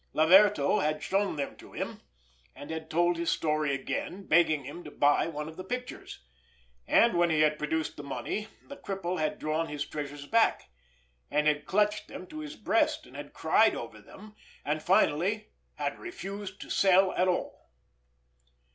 Laverto had shown them to him, and had told his story again, begging him to buy one of the pictures—and when he had produced the money the cripple had drawn his treasures back, and had clutched them to his breast, and had cried over them, and finally had refused to sell at all.